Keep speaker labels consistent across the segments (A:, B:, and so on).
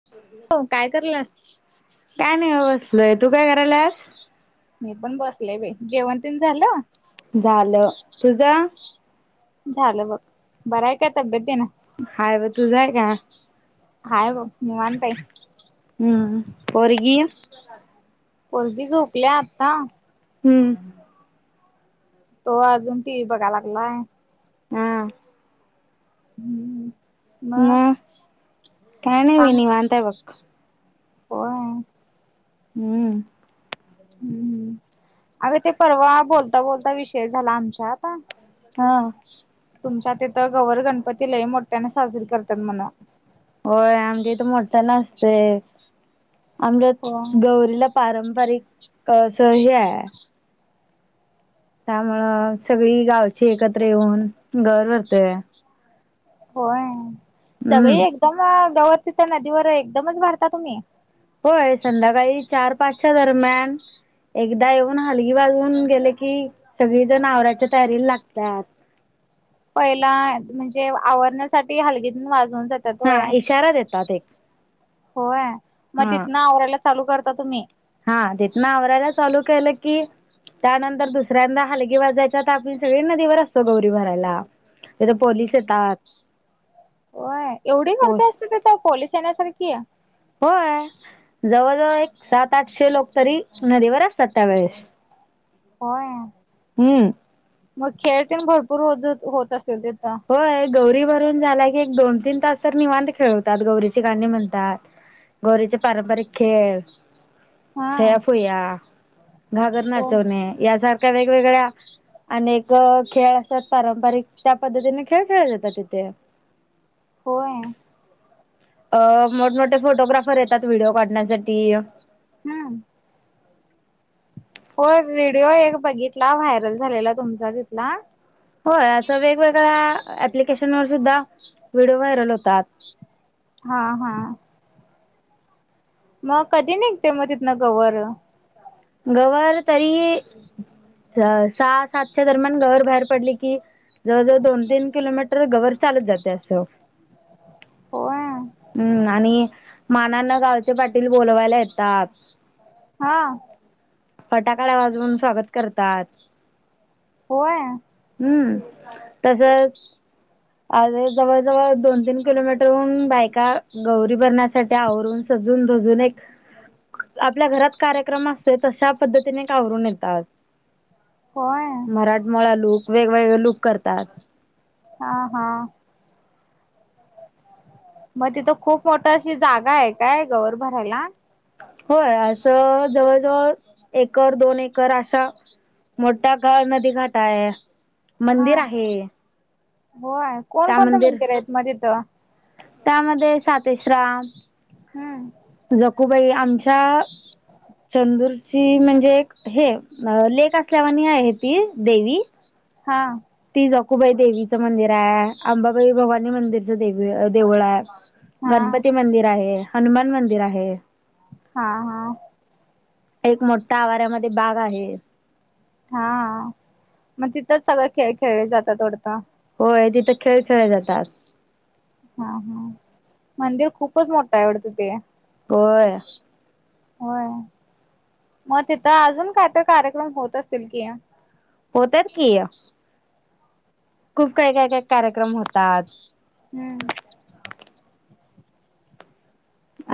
A: [unintelligible] काय करलास?
B: काय नाही ब बसलोय तू काय करायलास?
A: मी पण बसले बाई जेवण तेन झालं?
B: झालं तुझा?
A: झालं बघ बरं आहे काय तब्येतीना?
B: हाय ब तुझा आहे का?
A: हाय बघ निवांत आहे.
B: हम्मं पोरगी
A: पोरगी झोपले आत्ता.
B: हम्म.
A: तो अजून टी व्ही बघाय लागलाय.
B: आं
A: हम्म. मग
B: म काय नाय मी निवांत आहे बघ.
A: होय
B: हम्म.
A: हम्म हम्म अगं ते परवा बोलता-बोलता विषय झाला आमचा आता.
B: हा.
A: तुमच्या तिथं गवर गणपती लय मोठ्याने साजरी करत्यात म्हणं.
B: होय आमच्या इथं मोठ नसतय आमजत
A: हो
B: गौरीला पारंपरिक क से हे आहे. त्यामुळं सगळी गावची एकत्र येऊन घर भरतेय.
A: होय सगळी
B: हम्म.
A: एकदम गवतीच्या नदीवर एकदमच भरता तुम्ही.
B: होय संध्याकाळी चार पाचच्या दरम्यान. एकदा येऊन हलगी वाजून गेले की सगळी जण आवराच्या तयारीला लागतात.
A: पहिला म्हणजे आवरण्यासाठी हलगीन वाजवून जात त्यात
B: हा
A: होय,
B: इशारा देतात एक
A: होय मग
B: हा
A: तिथन आवरायला चालू करता तुम्ही.
B: हा तिथनं आवरायला चालू केलं. की त्यानंतर दुसऱ्यांदा हालगी वाजायच्या त आपण सगळे नदीवर असतो गौरी भरायला. तेथ पोलीस येतात.
A: होय एवढी
B: पो
A: गर्दी असते तिथे पोलीस येण्यासारखी.
B: होय जवळजवळ एक सात आठशे लोक तरी नदीवर असतात त्यावेेळेस.
A: होय.
B: हम्म.
A: मग खेळ तेन भरपूर हो होत असेल त
B: होय गौरी भरून झाला की एक दोन तीन तास तर निवांत खेळवतात गौरीची गाणी म्हणतात. गोरीचे पारंपरिक खेळ.
A: हा
B: छया फुया घागर
A: हो
B: नाचवणे यासारख्या वेगवेगळ्या अनेक खेळ असतात पारंपरिक त्या पद्धतीने खेळ खेळले जातात तिथे.
A: होय.
B: अ मोठमोठे फोटोग्राफर येतात व्हिडिओ काढण्यासाठी.
A: हम्म. होय व्हिडिओ एक बघितला व्हायरल झालेला तुमचा तिथला.
B: होय असं वेगवेगळ्या एप्लीकेशन वर सुद्धा व्हिडिओ व्हायरल होतात.
A: हा हा. मग कधी निघते मग तिथनं गवर.
B: गवर तरी सहा सातच्या दरम्यान गवर बाहेर पडली की जवळजवळ दोन तीन किलोमीटर गवर चालत जाते असं.
A: [unintelligible]
B: हम्म आणि मानांन गावचे पाटील बोलवायला येतात.
A: हा.
B: फटाकळा वाजवून स्वागत करतात.
A: होय.
B: हम्म, तसच. अरे जवळ जवळ दोन तीन किलोमीटरहून बायका गौरी भरण्यासाठी आवरून सजून दजून एक आपल्या घरात कार्यक्रम असतय तशा पद्धतीने आवरून येतात.
A: होय
B: मराठमोळा लूक वेगवेगळे लूक करतात.
A: आ हा. मग तिथं खूप मोठ अशी जागा आहे काय गौर भरायला.
B: होय असं जवळजवळ एकर दोन एकर अशा मोठा [unintelligible] नदी घाटा आहे.
A: हा
B: मंदिर आहे
A: होय. कोण कोणतं मंदिर आहेत मग तिथं.
B: तेश्रम.
A: हम्म.
B: जकूबाई आमच्या चंदूरची म्हणजे एक हे लेक असल्यावाणी आहे ती देवी
A: हा
B: ती जकूबाई देवीचं मंदिर आहे अंबाबाई भवानी मंदिरचं देवी देऊळ आहे
A: हा
B: गणपती मंदिर आहे, हनुमान मंदिर आहे
A: हा, हा
B: एक मोठा आवारामध्ये बाग आहे
A: हा मग तिथंच सगळ खेळ खेळले जातात वाटत
B: होय तिथं खेळ खेळले जातात
A: हा, हा मंदिर खूपच मोठं आहे वाटत ते
B: होय
A: होय मग तिथं अजून काय तर कार्यक्रम होत असतील की
B: होतात की खूप काही काय, काय, काय कार्यक्रम होतात
A: हम्म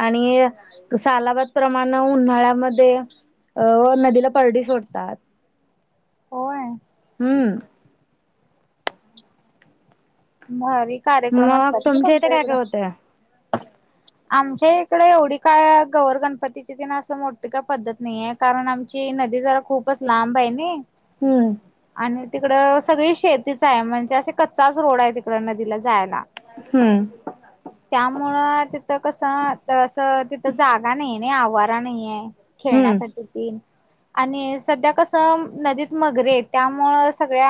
B: आणि सालाबाद प्रमाण उन्हाळ्यामध्ये अ व नदीला परडी सोडतात
A: होय
B: हम्म
A: भारी कार्यक्रम
B: मग
A: असतात ना
B: इथे
A: तुमच्या
B: काय
A: इकडं
B: काय होतंय
A: आमच्या इकडे एवढी काय गवर गणपती आमची काय असं मोठी का पद्धत नाही आहे कारण आमची नदी जरा खूपच लांब आहे नई
B: हम्म
A: आणि तिकड सगळी शेतीच आहे म्हणजे असे कच्चाच रोड आहे तिक कडं नदीला जायला
B: हम्म
A: [unintelligible] त्यामुळं तिथं कसं असं तिथं जागा नाहीये नाही आवारा नाहीये
B: हम्म
A: खेळण्यासाठी तीन आणि सध्या कसं नदीत मगरी त्यामुळं सगळ्या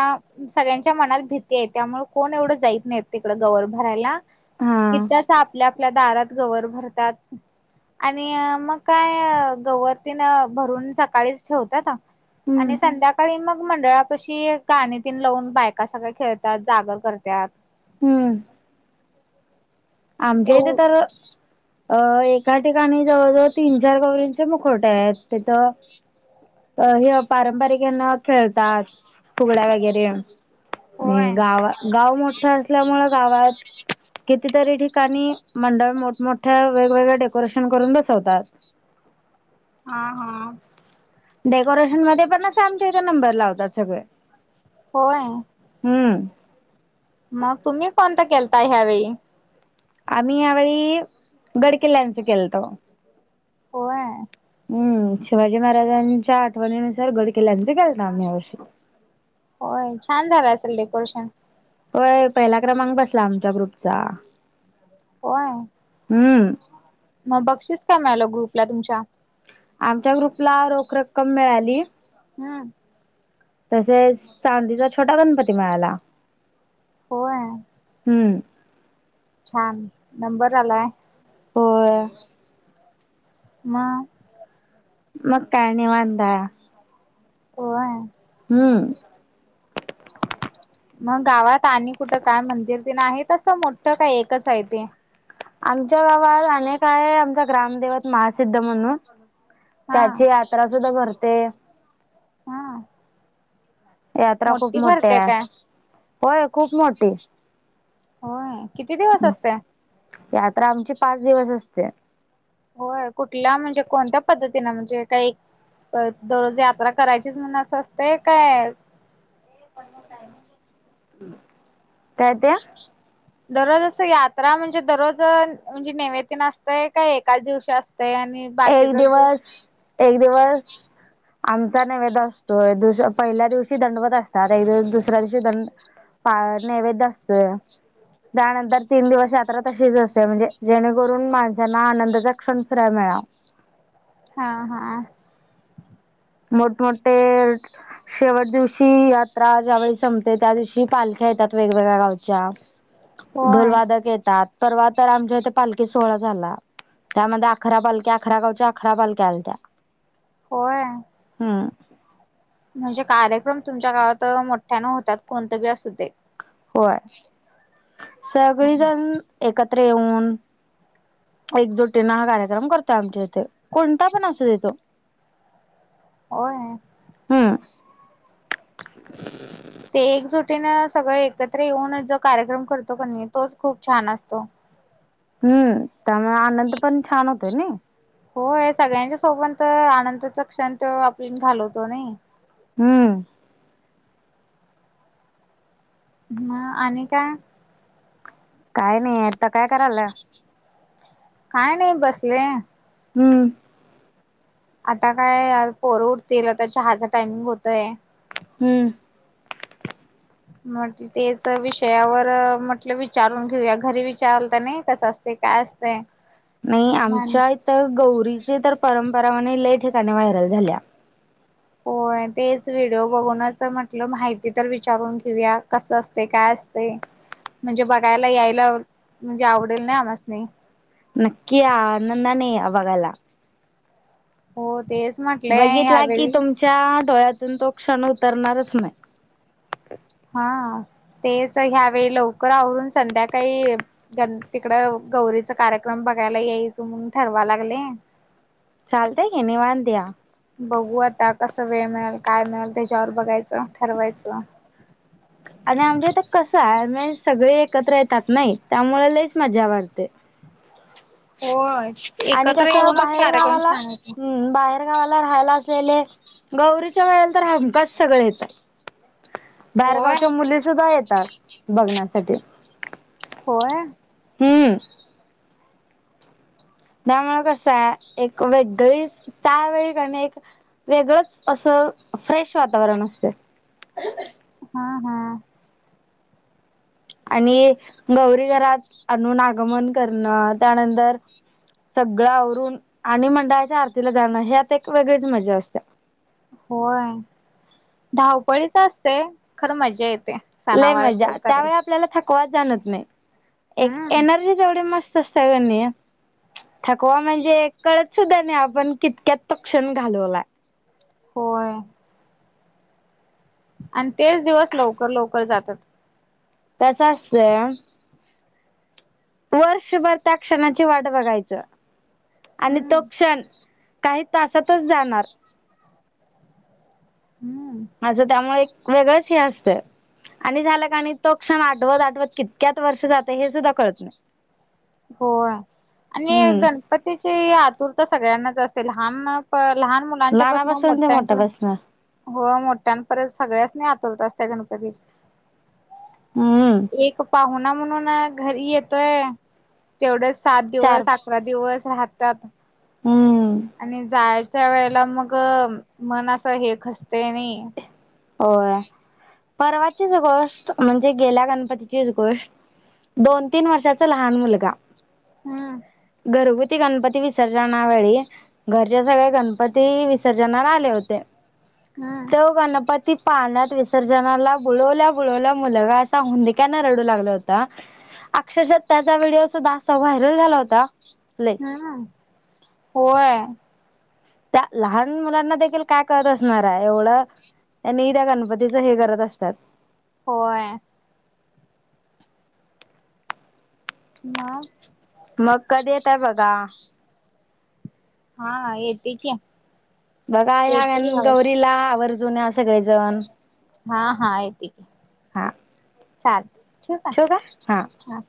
A: सगळ्यांच्या मनात भीती आहे त्यामुळे कोण एवढं जैत नाही तिकडं ग भरायला
B: हा
A: किसां आपल्या आपल्या दारात गवर भरतात आणि मग काय गवर तीन भरून सकाळीच ठेवतात आणि
B: हम्म
A: संध्याकाळी मग मंडळापशी एक काणी तीन लावून बायका सगळ्या खेळतात जागर करत्यात
B: हम्म आमच्या इथे
A: एव
B: तर अ एका ठिकाणी जवळ, जवळ तीन चार गवरी मुखोटे आहेत तिथ हे पारंपरिक ह्यांन खेळतात फुगड्या वगैरे आणि
A: होय
B: गावा गाव मोठं असल्यामुळे गावात कितीतरी ठी काणी मंडळ मोठमोठ्या वेगवेगळ्या डेकोरेशन करून बसवतात
A: हा, हा
B: डेकोरेशन मध्ये पण ना आमच्या इथ नंबर लावतात सगळे
A: होय
B: हम्म
A: मग तुम्ही कोणता केलता ह्यावेेळी
B: आम्ही यावेळी गडकिल्ल्यांच केलतो
A: होय.
B: हम्म, शिवाजी महाराजांच्या आठवणीनुसार गड किल्ल्यामध्ये गेलतो आम्ही अवश्यक.
A: होय छान झालं असेल डेकोरेशन?
B: होय पहिला क्रमांक बसला आमच्या ग्रुपचा.
A: होय.
B: हम्म.
A: मग बक्षीस काय मिळालं ग्रुपला तुमच्या?
B: आमच्या ग्रुपला रोख रक्कम मिळाली.
A: हम्म.
B: तसेच चांदीचा छोटा गणपती मिळाला.
A: होय.
B: हम्म.
A: छान नंबर आलाय.
B: होय.
A: म...
B: मग काय निवांत.
A: होय.
B: हम्म.
A: मग गावात आणि कुठं काय मंदिर ते नाही आहे तस मोठं काय एकच आहे ते?
B: आमच्या गावात अनेक आहे आमच्या ग्रामदेवत महासिद्ध म्हणून.
A: हा
B: त्याची यात्रा सुद्धा भरते.
A: हा
B: यात्रा खूप
A: मोठी भरते
B: मोठीया
A: काय
B: होय खूप मोठी.
A: होय, किती दिवस असते?
B: यात्रा आमची पाच दिवस असते.
A: होय कुठला म्हणजे कोणत्या पद्धतीनें म्हणजे काही? दररोज यात्रा करायचीच म्हणून असं असतेय काय?
B: काय ते
A: दररोज अस यात्रा म्हणजे दररोज म्हणजे नैवे तेन असतय का एकाच दिवशी असतंय आणि बाकीचा दिवस
B: एक दिवस आमचा नैवेद असतोय दुस पहिल्या दिवशी दंडवत असतात एक दिवशी दुसऱ्या दिवशी दंड पा नैवेद असतोय त्यानंतर तीन दिवस यात्रा तशीच असते म्हणजे जेणेकरून माणसांना आनंदचा क्षण फिराया मिळावा.
A: हा हा.
B: मोठमोठे शेवट दिवशी आ ज्यावेळी संपते त्या दिवशी पालख्या येतात वेगवेगळ्या गावच्या.
A: होय
B: ढोलवादक येतात परवा तर आमच्या इथे पालखी सोहळा झाला त्यामध्ये अकरा पालख्या अकरा गावच्या अकरा पालख्या आलत्या.
A: होय.
B: हम्म.
A: म्हणजे कार्यक्रम तुमच्या गावात मोठ्यानं होतात कोणत बी असू दे.
B: होय‌, सगळीजण एकत्र येऊन- एकजुटीन हा कार्यक्रम करतोय आमच्या इथे कोणता पण असू दे तो.
A: होय.
B: हम्म [inaudible]
A: ते एकजुटीन सगळे एकत्र येऊन जो कार्यक्रम करतो कणी तोच खूप छान असतो.
B: हम्म त्यामुळे आनंद पण छान होतो नय.
A: होय सगळ्यांच्या सोबत त आनंदाचा क्षण तो आपली घालवतो नाय.
B: हम्म
A: म आणि काय?
B: काय नायं आता काय करायला?
A: काय नाय बसलोय.
B: हूं
A: आता काय आ पोरं उटतील आता चहाचा टायमिंग होतय.
B: हम्म
A: मग तेच विषयावर म्हटलं विचारून घेऊया घरी विचारलत नाय कसं असत काय असतंय. [inaudible]
B: नाही आमच्या इथ गौरीचे तर परंपरा म्हणे लय ठिकाणी व्हायरल झाल्या.
A: होय तेच व्हिडिओ बघूनच म्हटलं माहिती तर विचारून घेऊया कसं असतय काय अस तय म्हणजे बघायला यायला म्हणजे आवडेल नाय आमास्नी.
B: नक्की या. आनंदान या बघाला.
A: हो तेच म्हण
B: बघितला की तुमच्या डोळ्यातून तो क्षण उतरणारच नाय.
A: हा तेच ह्यावेेळी लवकर आवरून संध्याकाळी गण तिकडं गौरीचा कार्यक्रम बघायला यायच म्हणून ठरवा लागले.
B: चालतय की निवांत या.
A: बघू आता कसं वेळ मिळेल काय मिळेल त्याच्यावर बघायचं. ठरवायचं.
B: आणि आमच्या इथ कसं हाय मिन्स सगळे एकत्र येतात नय त्यामुळ ल‌ईच मजा वाटते.
A: होय.
B: आणि
A: एकत्र
B: कसं
A: येऊनच
B: बाहेर
A: कार्यक्रम
B: गावाला
A: छान होतो.
B: हम्म बाहेर गावाला राहायला असलेले गौरीच्या वेळेला तर हमखास सगळे येतात.
A: होय
B: बाहेरगावच्या मुली सुद्धा येतात. बघण्यासाठी
A: होय.
B: हम्म. त्यामुळ कसं हाय एक वेगळीस त्यावेळी कणी एक वेगळंच असं फ्रेश वातावरण असतय.
A: हा हा.
B: आणि गौरी घरात आणून आगमन करणं. त्यानंतर सगळं आवरून आणि मंडळाच्या आरतीला जाणं ह्यात एक वेगळीच मजा असते.
A: होय. धावपळीच असतय खरं मजा येते.
B: लय
A: सणावार
B: मजा
A: सण
B: त्यावेळी
A: करायला.
B: आपल्याला थकवा जाणवत नाय. एक
A: हम्म
B: एनर्जी एवढी मस् त कनी थकवा म्हणजे कळत सुद्धा नाय आपण कितक्यात तो क्षण घालवलाय.
A: होय. आणि तेच दिवस लवकर लवकर जातात.
B: कंस असतय वर्षभर त्या क्षणाची वाट बघायच आणि
A: हम्म
B: तो क्षण काही तासातच जाणार
A: हूं
B: असं त्यामुळे एक वेगळंच हे असतं. आणि झालं का नाय तो क्षण आठवत आठवत कितक्यात वर्ष जातं हे सुद्धा कळत नाय.
A: होय आणि
B: हम्म
A: गण पण त्याची आतुरता सगळ्यांनाच असते लहान लहान मु मुलांच्या पासन
B: लहानापासून ते
A: मोठ्यांचा
B: मोठ्यापासन
A: हो मोठ्यां परत सगळ्याच नाही आतरत असत गणपतीची.
B: हम्म
A: एक पाहुना म्हणून घरी येतोय. तेवढेच सात
B: चार
A: दिवस अकरा दिवस राहतात.
B: हम्म.
A: आणि जायच्या वेळेला मग मन असं हे खसतंय नाही.
B: होय परवाचीच गोष्ट म्हणजे गेल्या गणपतीचीच गोष्ट. दोन तीन वर्षाचा लहान मुलगा
A: हम्म!
B: घरगुती गणपती विसर्जना वेळी घरच्या सगळे्या गणपती विसर्जनाला आले होते.
A: हं.
B: तो गणपती पाळण्यात विसर्जनाला बुळवल्या बुळवल्या मुलगा असा हुंदिक्यान रडू लागला होत. अक्षरशात त्याचा व्हिडिओ सुद्धा असा व्हायरल झाला होता. प्ले
A: ह होय.
B: त्या लहान मुलांना देखील काय कळत असणार आहे. एवढं त्यांनी त्या गणपतीचं हे करत असतात.
A: होय. म
B: मग कधी येतय बघा?
A: हा येते की,
B: बघा ह्या का
A: येते की यावर्षी
B: गौरीला आवर्जून्या सगळेजण.
A: हा हा यती.
B: हा.
A: चालत ठेवू का?